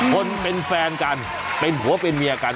คนเป็นแฟนกันเป็นผัวเป็นเมียกัน